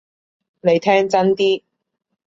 你聽真啲！